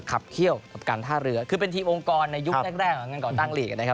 ขับเขี้ยวกับการท่าเรือคือเป็นทีมองค์กรในยุคแรกแรกของการก่อตั้งลีกนะครับ